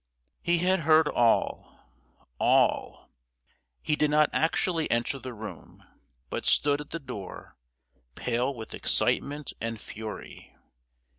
He had heard all—all. He did not actually enter the room, but stood at the door, pale with excitement and fury.